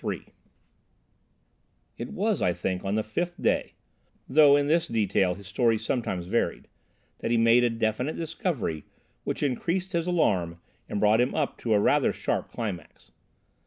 III It was, I think, on the fifth day—though in this detail his story sometimes varied—that he made a definite discovery which increased his alarm and brought him up to a rather sharp climax.